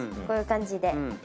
こういう感じで。